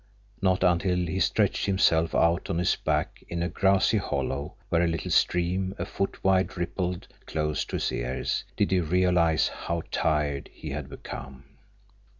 Not until he stretched himself out on his back in a grassy hollow where a little stream a foot wide rippled close to his ears did he realize how tired he had become.